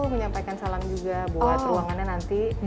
menyampaikan salam juga buat ruangannya nanti